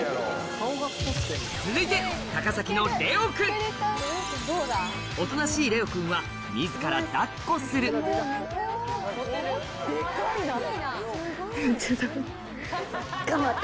続いて高崎のレオくんおとなしいレオくんは自ら抱っこするちょっと頑張って。